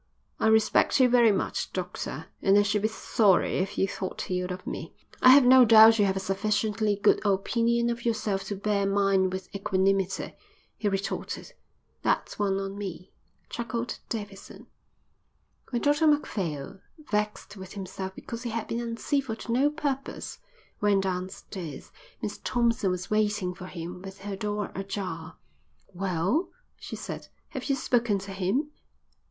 "I respect you very much, doctor, and I should be sorry if you thought ill of me." "I have no doubt you have a sufficiently good opinion of yourself to bear mine with equanimity," he retorted. "That's one on me," chuckled Davidson. When Dr Macphail, vexed with himself because he had been uncivil to no purpose, went downstairs, Miss Thompson was waiting for him with her door ajar. "Well," she said, "have you spoken to him?"